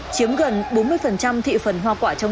chứ nó gửi tao đi đây thôi